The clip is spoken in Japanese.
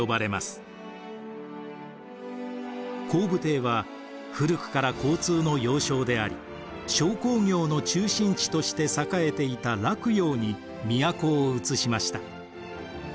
光武帝は古くから交通の要衝であり商工業の中心地として栄えていた洛陽に都を移しました。